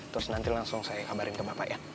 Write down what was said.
terus nanti langsung saya kabarin ke bapak ya